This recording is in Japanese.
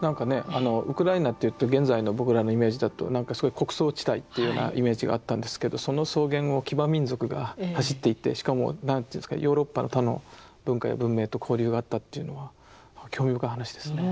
あのウクライナっていうと現在の僕らのイメージだと何かすごい穀倉地帯っていうようなイメージがあったんですけどその草原を騎馬民族が走っていてしかも何ていうんですかヨーロッパの他の文化や文明と交流があったというのは興味深い話ですね。